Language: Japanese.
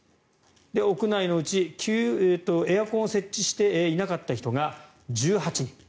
屋内のうち、エアコンを設置していなかった人が１８人。